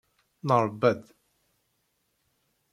Nerba-d.